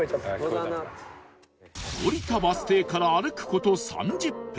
降りたバス停から歩く事３０分